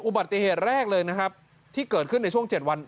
อุบัติเหตุแรกเลยนะครับที่เกิดขึ้นในช่วง๗วัน